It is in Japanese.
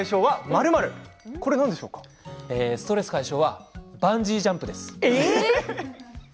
ストレス解消はバンジージャンプです。